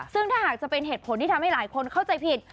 ซึ่งถ้าหากจะเป็นเหตุผลที่ทำให้หลายคนเข้าใจผิด